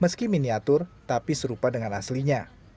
meski miniatur tapi serupa dengan aslinya